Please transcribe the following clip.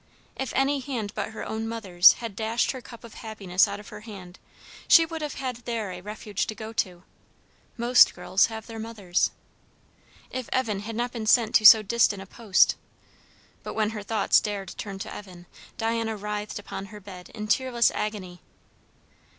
If any hand but her own mother's had dashed her cup of happiness out of her hand, she would have had there a refuge to go to. Most girls have their mothers. If Evan had not been sent to so distant a post but when her thoughts dared turn to Evan, Diana writhed upon her bed in tearless agony.